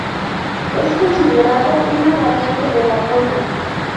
Es considerado una variante de la polka.